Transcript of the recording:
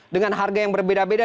dengan harga yang berbeda beda